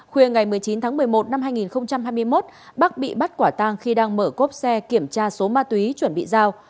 khuya ngày một mươi chín tháng một mươi một năm hai nghìn hai mươi một bắc bị bắt quả tang khi đang mở cốp xe kiểm tra số ma túy chuẩn bị giao